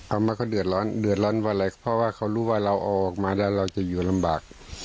เอาว่าเขาเดือดร้อนเดือดร้อนอะไรเพราะว่าเขารู้ว่าเราเอาออกมาแล้วเราจะอยู่ลำบาก